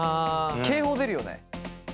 警報出るよね。